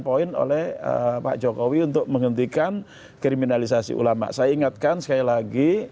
jadi saya ingatkan saya ingatkan sekali lagi